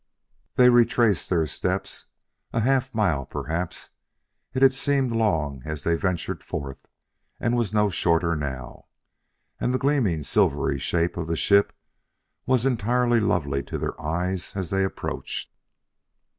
They retraced their steps. A half mile, perhaps. It had seemed long as they ventured forth, and was no shorter now. And the gleaming, silvery shape of the ship was entirely lovely to their eyes as they approached.